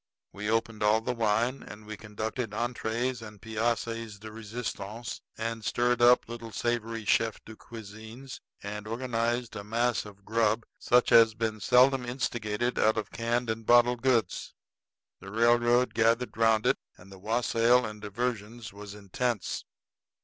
We opened all the wine, and we concocted entrées and pièces de resistance, and stirred up little savory chef de cuisines and organized a mass of grub such as has been seldom instigated out of canned and bottled goods. The railroad gathered around it, and the wassail and diversions was intense.